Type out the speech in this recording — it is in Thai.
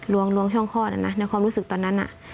ลวงช่องคลอดนะในความรู้สึกตอนนั้น